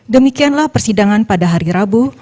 demikianlah persidangan pada hari rabu